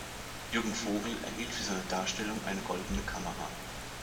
Jürgen Vogel erhielt für seine Darstellung eine Goldene Kamera.